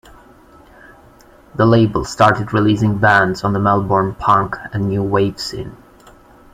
The label started releasing bands on the Melbourne punk and new wave scene.